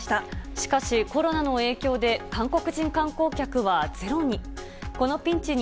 しかし、コロナの影響で韓国人観光客はゼロに。